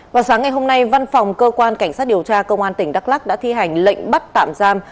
vào sáng ngày hôm nay văn phòng cơ quan cảnh sát điều tra công an tỉnh đắk lắc đã thi hành lệnh bắt tạm giam